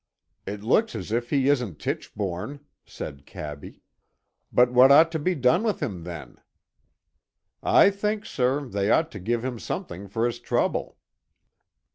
'' It looks as if he is n't Tichbome," said cabby. " But what ought to be done with him then ?" "I think, sir, they ought to give him something for his trouble."